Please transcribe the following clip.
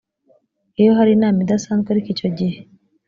iyo hari inama idasanzwe ariko icyo gihe